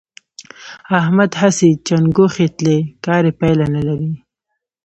احمد هسې چنګوښې تلي؛ کار يې پايله نه لري.